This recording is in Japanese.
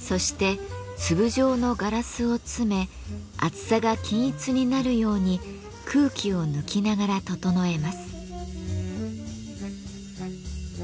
そして粒状のガラスを詰め厚さが均一になるように空気を抜きながら整えます。